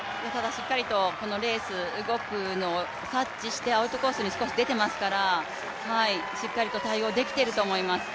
しっかりとこのレースが動くのを察知してアウトコースに少し出ていますからしっかりと対応できてると思います。